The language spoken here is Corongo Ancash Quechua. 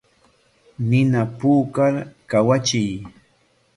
Nina puukar kawachiy.